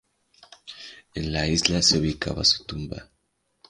En la isla se ubicaba su tumba.